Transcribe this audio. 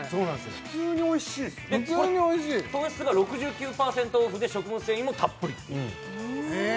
普通においしいこれ糖質が６９％オフで食物繊維もたっぷりへえ